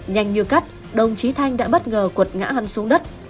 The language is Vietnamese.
nhanh như cắt đồng chí thanh đã bất ngờ cuột ngã hắn xuống đất